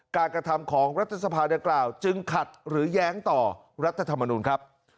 กระทำของรัฐสภาดังกล่าวจึงขัดหรือแย้งต่อรัฐธรรมนุนครับ